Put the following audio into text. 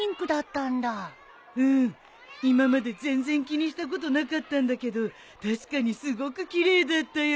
うん今まで全然気にしたことなかったんだけど確かにすごく奇麗だったよ。